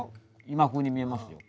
今風に見えますよ。